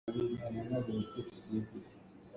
Thing hreu kan khiak lai.